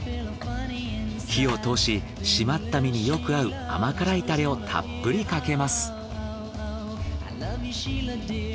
火を通し締まった身によく合う甘辛いタレをたっぷりかけます。